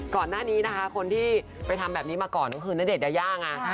ก่อนหน้านี้นะคะคนที่ไปทำแบบนี้มาก่อนก็คือณเดชนยายาไง